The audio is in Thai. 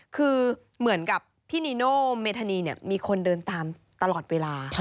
คือเหมือนกับพี่นีโน่เมธานีมีคนเดินตามตลอดเวลา